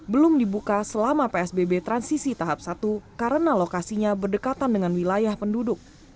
belum dibuka selama psbb transisi tahap satu karena lokasinya berdekatan dengan wilayah penduduk